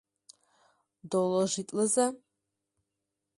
Доложитлыза.